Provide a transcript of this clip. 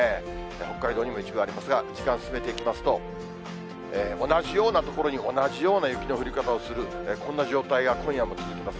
北海道にも一部ありますが、時間進めていきますと、同じような所に、同じような雪の降り方をする、こんな状態が今夜も続きます。